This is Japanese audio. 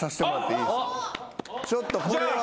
ちょっとこれは。